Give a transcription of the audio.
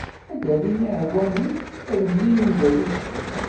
Ad d-alin yiɛewwamen, ad d-mlilen d rric-is.